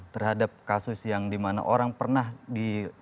terhadap kasus yang di mana orang pernah di